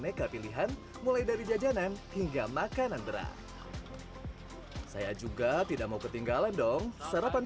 nekat pilihan mulai dari jajanan hingga makanan berat saya juga tidak mau ketinggalan dong sarapan